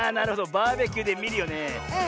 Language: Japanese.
バーベキューでみるよね。